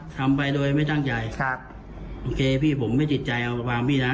ทำไปโดยไม่ทั้งใจครับโอเคผมไม่จิตใจเอาแบบนี้นะ